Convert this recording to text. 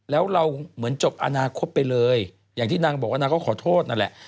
แล้วเราเหมือนจบอนาคตไปเลยอย่างที่นางบอกว่านางก็ขอโทษนั่นแหละ